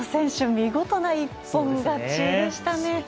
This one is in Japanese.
見事な一本勝ちでしたね。